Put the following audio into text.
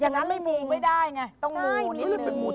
ช่างานไม่มูท์ไม่ได้ไงต้องมูท์นิดนึง